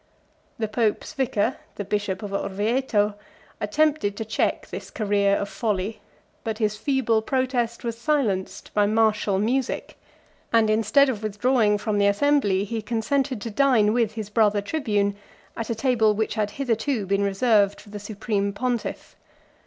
The pope's vicar, the bishop of Orvieto, attempted to check this career of folly; but his feeble protest was silenced by martial music; and instead of withdrawing from the assembly, he consented to dine with his brother tribune, at a table which had hitherto been reserved for the supreme pontiff.